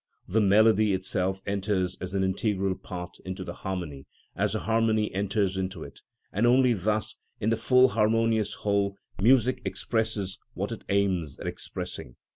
The melody itself enters as an integral part into the harmony, as the harmony enters into it, and only thus, in the full harmonious whole, music expresses what it aims at expressing.